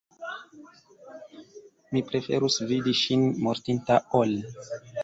Mi preferus vidi ŝin mortinta ol.